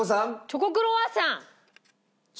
チョコクロワッサン。